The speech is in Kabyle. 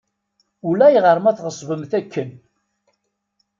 Ulayɣer ma tɣeṣbemt akken.